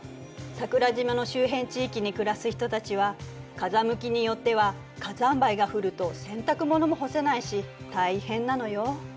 桜島の周辺地域に暮らす人たちは風向きによっては火山灰が降ると洗濯物も干せないし大変なのよ。